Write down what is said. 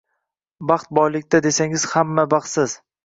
Baxt boylikda, desangiz, hamma baxtsiz